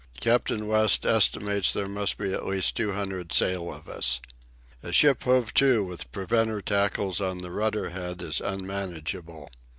Captain West estimates there must be at least two hundred sail of us. A ship hove to with preventer tackles on the rudder head is unmanageable.